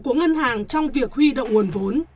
của ngân hàng trong việc huy động nguồn vốn